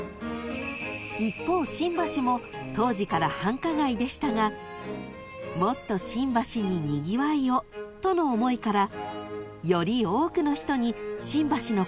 ［一方新橋も当時から繁華街でしたがもっと新橋ににぎわいをとの思いから］